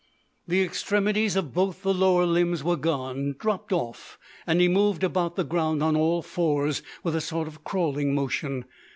The extremities of both the lower limbs were gone, dropped off, and he moved about the ground on all fours with a sort of crawling motion.